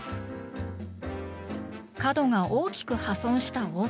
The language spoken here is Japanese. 角が大きく破損した大皿。